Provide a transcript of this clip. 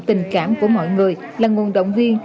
tình cảm của mọi người là nguồn động viên